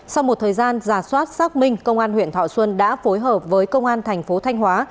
sau một thời gian giả soát xác minh công an huyện thọ xuân đã phối hợp với công an thành phố thanh hóa